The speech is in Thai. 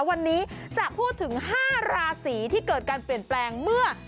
วันนี้จะพูดถึง๕ราศีที่เกิดการเปลี่ยนแปลงเมื่อ